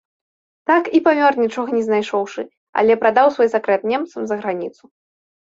Так і памёр, нічога не знайшоўшы, але прадаў свой сакрэт немцам за граніцу.